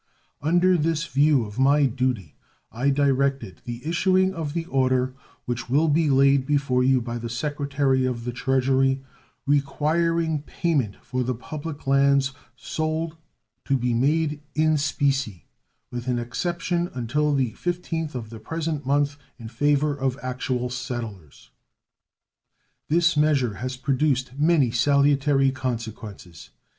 Under this view of my duty I directed the issuing of the order which will be laid before you by the Secretary of the Treasury, requiring payment for the public lands sold to be made in specie, with an exception until the 15th of the present month in favor of actual settlers. This measure has produced many salutary consequences.